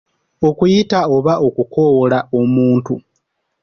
Okuyita oba okukoowoola omuntu.